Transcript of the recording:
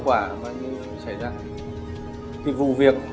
doanh nghiệpc folure